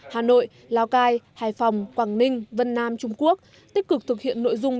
hà nội lào cai hải phòng quảng ninh vân nam trung quốc tích cực thực hiện nội dung